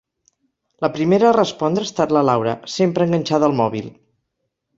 La primera a respondre ha estat la Laura, sempre enganxada al mòbil.